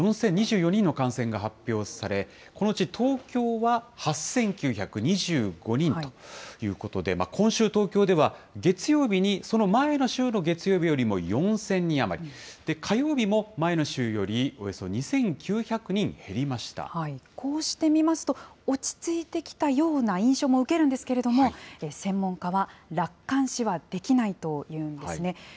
きのうは全国で５万４０２４人の感染が発表され、このうち東京は８９２５人ということで、今週、東京では月曜日にその前の週の月曜日よりも４０００人余り、火曜日も前の週よりおよそ２９００人こうして見ますと、落ち着いてきたような印象も受けるんですけれども、専門家は楽観視はできないというんですね。